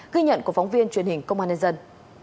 ghi nhận của phóng viên truyền hình công an nhân dân